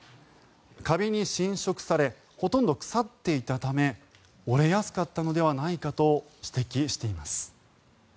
カビに侵食されほとんど腐っていたため折れやすかったのではないかと指摘しています。